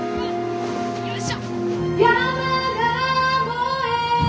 よいしょっ！